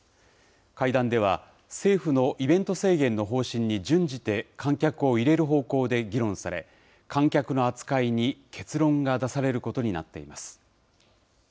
会談では、政府のイベント制限の方針に準じて観客を入れる方向で議論され、観客の扱いに結論が出されることになっています。